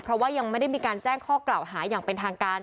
เพราะว่ายังไม่ได้มีการแจ้งข้อกล่าวหาอย่างเป็นทางการ